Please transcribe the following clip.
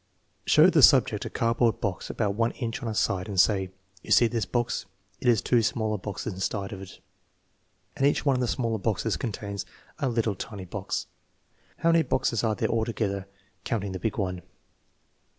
Show the subject a cardboard box about one inch on a side. Say: " You see this box; it has two smaller boxes inside of it, and each one of the smaller boxes contains a little tiny box. How many boxes are there altogether, count ing the big one?